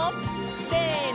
せの！